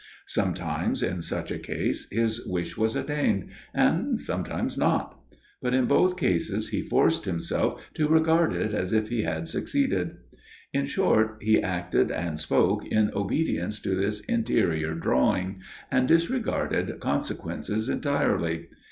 Sometimes in such a case his wish was attained, and sometimes not; but in both cases he forced himself to regard it as if he had succeeded. In short, he acted and spoke in obedience to this interior drawing, and disregarded consequences entirely.